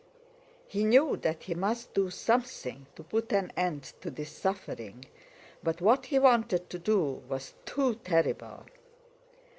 He knew that he must do something to put an end to this suffering, but what he wanted to do was too terrible.